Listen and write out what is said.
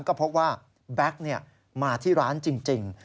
ก็พบว่าแบ็คมาที่ร้านจริง